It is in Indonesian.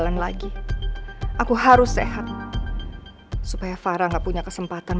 ini udah nih aku suruh mau naik kerja aja ya